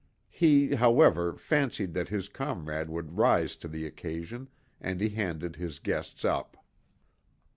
He, however, fancied that his comrade would rise to the occasion and he handed his guests up.